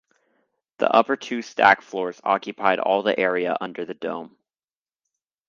The upper two stack floors occupied all the area under the dome.